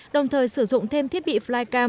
đồng thời sử dụng thêm thiết bị flycam